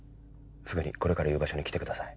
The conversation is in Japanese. すぐにこれから言う場所に来てください。